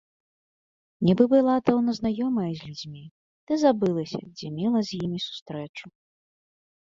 Нібы была даўно знаёмая з людзьмі, ды забылася, дзе мела з імі сустрэчу.